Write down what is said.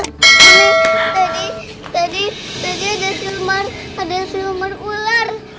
tadi tadi tadi ada siluman ada siluman ular